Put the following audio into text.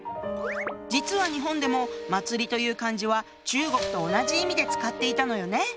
実は日本でも「祭」という漢字は中国と同じ意味で使っていたのよね